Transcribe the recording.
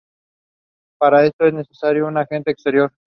Para esto es necesario un agente exterior.